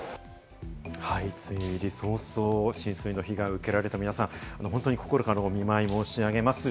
梅雨入りそうそう、浸水の被害を受けられた皆さん、本当に心からお見舞い申し上げます。